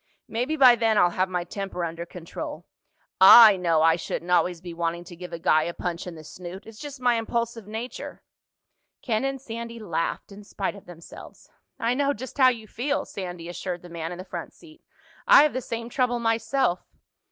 "Maybe by then I'll have my temper under control. I know I shouldn't always be wanting to give a guy a punch in the snoot. It's just my impulsive nature." Ken and Sandy laughed in spite of themselves. "I know just how you feel," Sandy assured the man in the front seat. "I have the same trouble myself."